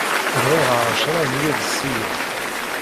Bɣiɣ ɛecṛa n yiḍebsiyen.